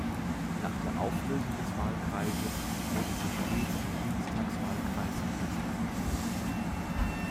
Nach der Auflösung des Wahlkreises wurde sie stets im Bundestagswahlkreis Mittelsachsen gewählt.